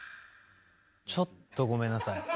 ちょっとごめんなさい。